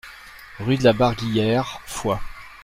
Rue de la Barguillère, Foix